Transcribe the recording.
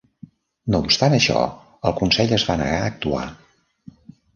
No obstant això, el consell es va negar a actuar.